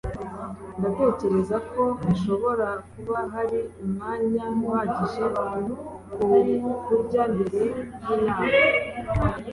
ndatekereza ko hashobora kuba hatari umwanya uhagije wo kurya mbere yinama